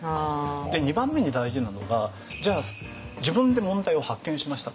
で２番目に大事なのがじゃあ自分で問題を発見しましたと。